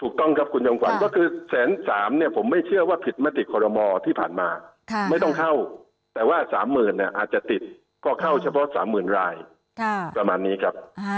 ถูกต้องครับคุณจังหวันก็คือแสนสามเนี่ยผมไม่เชื่อว่าผิดมาติดคอลโลมอร์ที่ผ่านมาไม่ต้องเข้าแต่ว่าสามหมื่นเนี่ยอาจจะติดก็เข้าเฉพาะสามหมื่นรายประมาณนี้ครับ